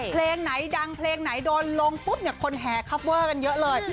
เพลงไหนดังเพลงไหนโดนลงปุ๊บเนี่ยคนแห่คัปเวอร์กันเยอะเลย